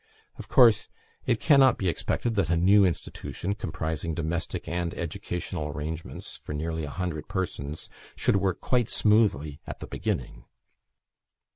Of course it cannot be expected that a new institution, comprising domestic and educational arrangements for nearly a hundred persons, should work quite smoothly at the beginning.